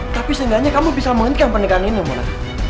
tapi seenggaknya kamu bisa menghentikan pernikahan ini mona